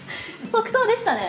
即答でしたね。